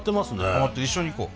ハマってる一緒に行こう。